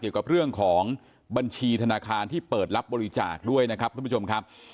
เกี่ยวกับเรื่องของบัญชีธนาคารที่เปิดรับบริจาคด้วยนะครับทุกผู้ชมครับ